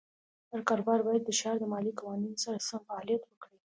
هر کاروبار باید د ښار د مالیې قوانینو سره سم فعالیت وکړي.